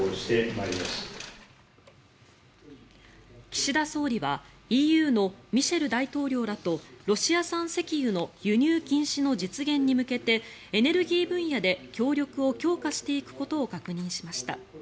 岸田総理はＥＵのミシェル大統領らとロシア産石油の輸入禁止の実現に向けてエネルギー分野で協力を強化していくことを確認しました。